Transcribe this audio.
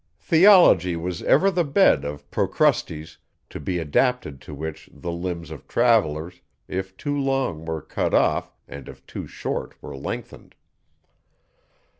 Theology was ever the bed of Procrustes, to be adapted to which, the limbs of travellers, if too long were cut off, and if too short were lengthened.